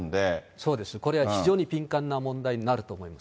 そうです、これは非常に敏感な問題になると思います。